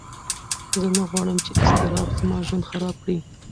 زه نه غواړم چې اضطراب زما ژوند خراب کړي.